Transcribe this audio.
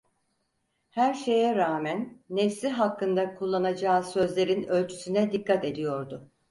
Her şeye rağmen, nefsi hakkında kullanacağı sözlerin ölçüsüne dikkat ediyordu.